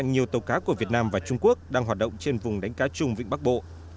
nhiều tàu cá của việt nam và trung quốc đang hoạt động trên vùng đánh cá chung vịnh bắc bộ